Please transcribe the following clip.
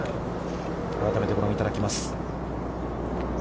改めて、ご覧いただきます。